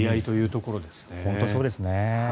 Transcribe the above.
本当にそうですね。